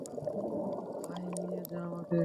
আয় নিয়ে যা আমাকে।